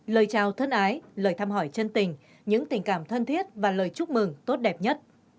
lời chào thân ái lời thăm hỏi chân tình những tình cảm thân thiết và lời chúc mừng tốt đẹp nhất